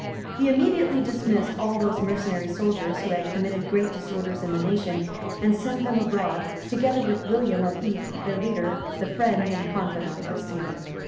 He immediately dismissed all those mercenary soldiers who had committed great disorders in the nation; and he sent them abroad, together with William of Ypres, their leader, the friend and confidant of Stephen.